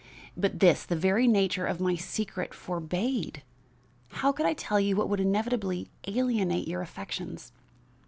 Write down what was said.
But this, the very nature of my secret forbade. How could I tell you what would inevitably alienate your affections?